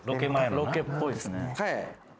ロケっぽいっすね